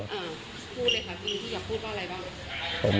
อ่าพูดเลยค่ะบีที่อยากพูดว่าอะไรบ้าง